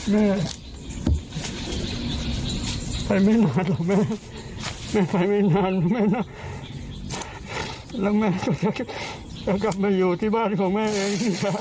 แม่ไปไม่นานหรอกแม่แม่ไปไม่นานแม่นะแล้วแม่จะกลับมาอยู่ที่บ้านของแม่เองจ้ะ